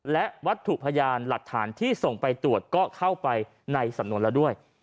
และวัตถุพยานหลักฐานที่ส่งไปตรวจก็เข้าไปในสำนวนแล้วด้วย